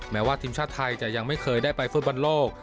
แม้ว่าทีมชาติไทยจะยังไม่เคยได้ไปฟุตบอลโลก